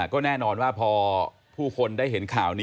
ก็แน่นอนว่าพอผู้คนได้เห็นข่าวนี้